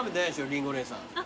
りんご姉さん。